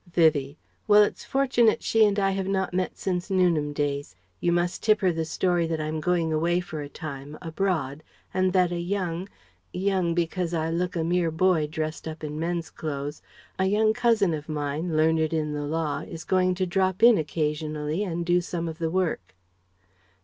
Vivie: "Well, it's fortunate she and I have not met since Newnham days. You must tip her the story that I am going away for a time abroad and that a young young, because I look a mere boy, dressed up in men's clothes a young cousin of mine, learned in the law, is going to drop in occasionally and do some of the work..."